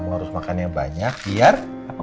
kamu harus makan yang banyak biar